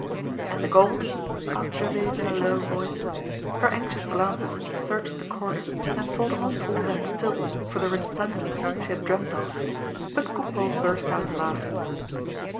"And the gold?" asked Gervaise in a low voice. Her anxious glances searched the corners and sought amongst all that filth for the resplendence she had dreamt of. But Coupeau burst out laughing.